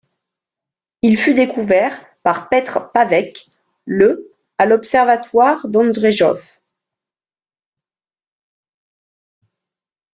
Il fut découvert par Petr Pravec le à l'observatoire d'Ondřejov.